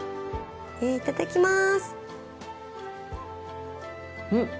いただきます。